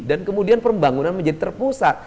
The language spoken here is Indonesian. dan kemudian pembangunan menjadi terpusat